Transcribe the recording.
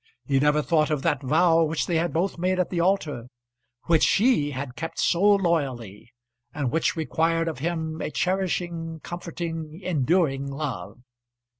He never thought of that vow which they had both made at the altar, which she had kept so loyally, and which required of him a cherishing, comforting, enduring love.